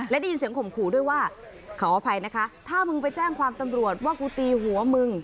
และได้ยินเสียงข่มขู่ด้วยว่าขออภัยนะคะถ้ามึงไปแจ้งความตำรวจว่ากูตีหัวมึง